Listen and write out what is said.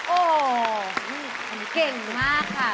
โอ้โหเก่งมากค่ะ